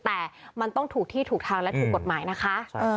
แต่มันต้องถูกที่ถูกทางและถูกกฎหมายนะคะ